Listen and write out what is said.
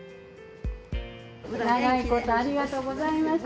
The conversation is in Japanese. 長いことありがとうございました。